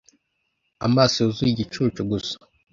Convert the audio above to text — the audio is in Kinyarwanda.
amaso yuzuye igicucu gusa